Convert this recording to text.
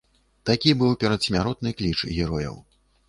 Такі быў перадсмяротны кліч герояў.